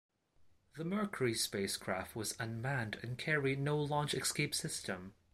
The Mercury spacecraft was unmanned and carried no launch escape system.